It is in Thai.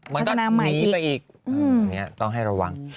มันก็หนีไปอีกต้องให้ระวัง